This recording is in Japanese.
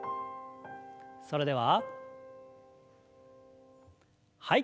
それでははい。